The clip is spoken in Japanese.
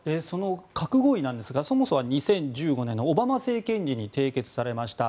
核合意なんですがそもそもは２０１５年のオバマ政権時に締結されました。